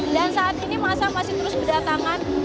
dan saat ini masa masih terus berdatangan